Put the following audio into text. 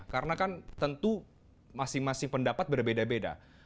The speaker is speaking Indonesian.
karena kan tentu masing masing pendapat berbeda beda